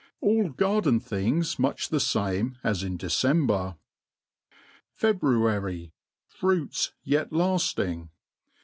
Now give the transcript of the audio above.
AU garden things much the fame as in De cember, February. — Fruits yet lafling.